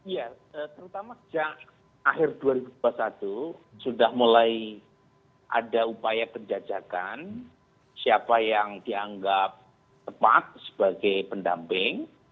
ya terutama sejak akhir dua ribu dua puluh satu sudah mulai ada upaya penjajakan siapa yang dianggap tepat sebagai pendamping